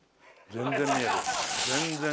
全然見えるよ。